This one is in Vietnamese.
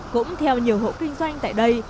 cũng theo nhiều hộ kinh doanh tại đây